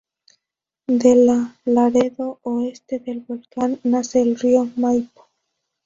De la ladera Oeste del volcán nace el Río Maipo.